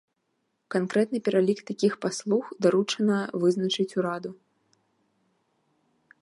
Канкрэтны пералік такіх паслуг даручана вызначыць ураду.